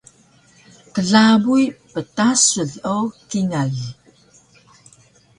klabuy ptasun o kingal